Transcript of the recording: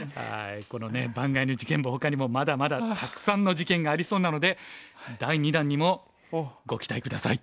このね盤外の事件簿ほかにもまだまだたくさんの事件がありそうなので第２弾にもご期待下さい。